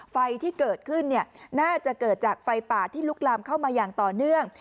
ไฟที่เกิดขึ้นน่าจะเกิดจากไฟป่าที่ลุกลามเข้ามาอย่างต่อเนื่อง